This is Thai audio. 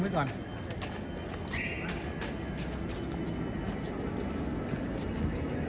สายแบงก่อนปลอดภัย